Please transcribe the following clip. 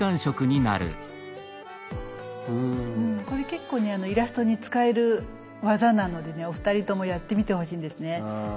これ結構ねイラストに使える技なのでねお二人ともやってみてほしいんですね。